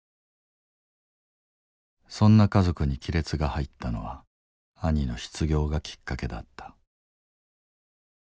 そんな家族に亀裂が入ったのは兄の失業がきっかけだった。